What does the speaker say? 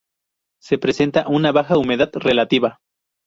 Se presenta una baja humedad relativa.